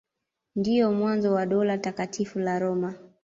Ndio mwanzo wa Dola Takatifu la Roma.